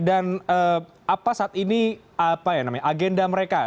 dan apa saat ini agenda mereka